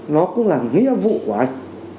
nó cũng là nghĩa vụ của anh